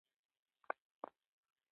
تر دې نو بیا لوی منکر او مفسد نشته.